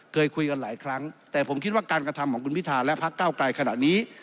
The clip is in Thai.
เคยคุยกันหลายครั้งแต่ผมคิดว่าการกระทำของคุณพิธาและพักเก้าไกลขณะนี้